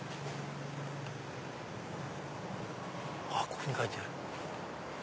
ここに書いてある。